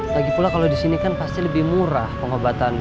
lagi pula kalo disini kan pasti lebih murah pengobatannya